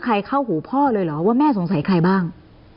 เข้าหูพ่อเลยเหรอว่าแม่สงสัยใครบ้าง